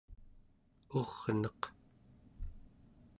urneq